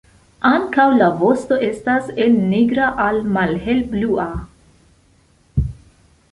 Ankaŭ la vosto estas el nigra al malhelblua.